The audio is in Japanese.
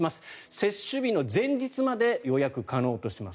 接種日の前日まで予約可能とします。